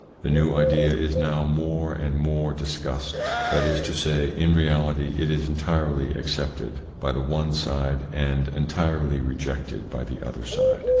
The new idea is now more and more discussejd ; that is to say, in reality it is entirely accepted by the one side, and entirely rejected by the other side.